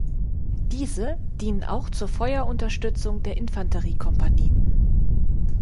Diese dienen auch zur Feuerunterstützung der Infanteriekompanien.